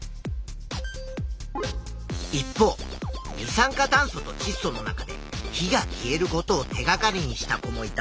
一方二酸化炭素とちっ素の中で火が消えることを手がかりにした子もいた。